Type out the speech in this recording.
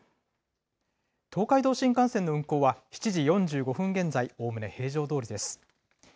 東海道新幹線の運行は７時４５分現在、おおむね平常どおりです。